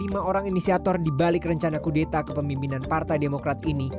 lima orang inisiator dibalik rencana kudeta kepemimpinan partai demokrat ini